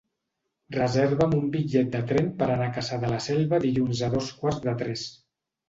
Reserva'm un bitllet de tren per anar a Cassà de la Selva dilluns a dos quarts de tres.